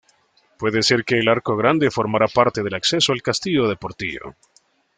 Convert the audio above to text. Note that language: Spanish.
Puede ser que el arco grande formara parte del acceso al castillo de Portillo.